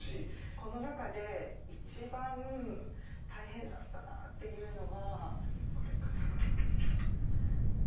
この中で一番大変だったなっていうのはこれかな。